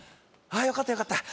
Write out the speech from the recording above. ああよかったよかった